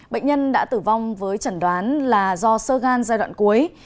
bệnh nhân đã tử vong với chẩn đoán là do sơ gan giai đoạn cuối